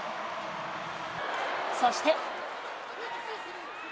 そして。